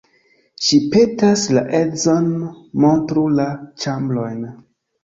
Ŝi petas la edzon, montru la ĉambrojn.